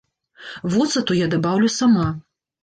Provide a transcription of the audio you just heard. Воцату я дабаўлю сама.